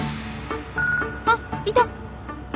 あっいた！